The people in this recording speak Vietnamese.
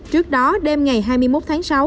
trước đó đêm ngày hai mươi một tháng sáu